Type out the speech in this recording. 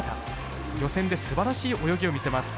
予選ですばらしい泳ぎを見せます。